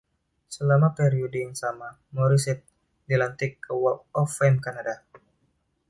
Selama periode yang sama, Morissette dilantik ke Walk of Fame Kanada.